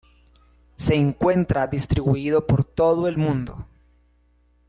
Se encuentra distribuido por todo el mundo.